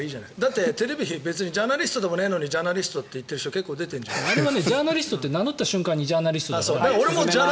だって、テレビ別にジャーナリストじゃないのにジャーナリストっていう人あれはジャーナリストって名乗った瞬間にジャーナリストだから。